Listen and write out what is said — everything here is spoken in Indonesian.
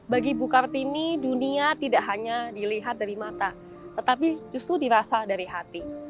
bagi bu kartini dunia tidak hanya dilihat dari mata tetapi justru dirasa dari hati